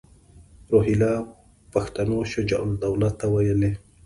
روهیله پښتنو شجاع الدوله ته ویلي.